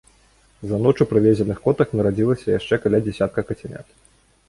За ноч у прывезеных котак нарадзілася яшчэ каля дзясятка кацянят.